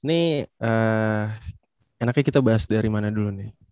ini enaknya kita bahas dari mana dulu nih